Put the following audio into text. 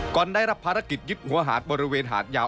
ได้รับภารกิจยึดหัวหาดบริเวณหาดยาว